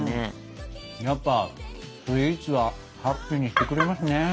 やっぱスイーツはハッピーにしてくれますね。